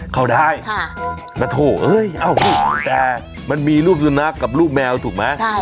เข้าได้ณโถเอ้ยเอ้าแต่มันมีรูปสุนัขกับลูกแมวถูกไหม